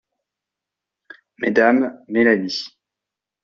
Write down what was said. Mmes Mélanie.